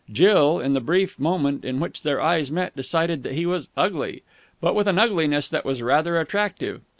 Jill, in the brief moment in which their eyes met, decided that he was ugly, but with an ugliness that was rather attractive.